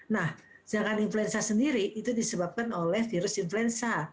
nah sedangkan influenza sendiri itu disebabkan oleh virus influenza